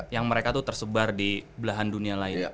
yang mereka tuh tersebar di belahan dunia lain